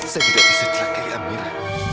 saya tidak bisa telakai amir